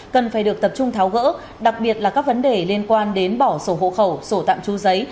cần phải được tập trung tháo gỡ đặc biệt là các vấn đề liên quan đến bỏ sổ hộ khẩu sổ tạm tru giấy